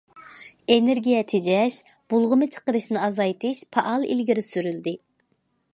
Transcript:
ئېنېرگىيە تېجەش، بۇلغىما چىقىرىشنى ئازايتىش پائال ئىلگىرى سۈرۈلدى.